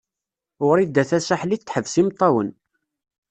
Wrida Tasaḥlit teḥbes imeṭṭawen.